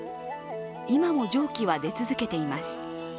今も蒸気は出続けています。